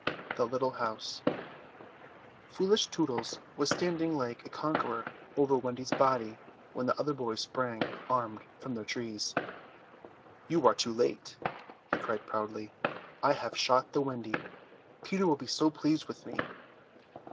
THE LITTLE HOUSE Foolish Tootles was standing like a conqueror over Wendy's body when the other boys sprang, armed, from their trees. "You are too late," he cried proudly, "I have shot the Wendy. Peter will be so pleased with me."